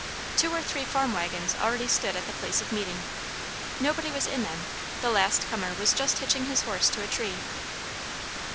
Two or three farm waggons already stood at the place of meeting; nobody was in them; the last comer was just hitching his horse to a tree.